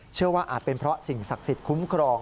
อาจเป็นเพราะสิ่งศักดิ์สิทธิ์คุ้มครอง